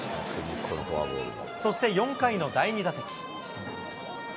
そして４回の第２打席。